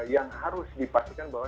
yang harus dipastikan bahwa